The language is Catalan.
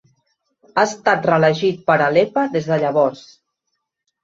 Ha estat reelegit per a Lepa des de llavors.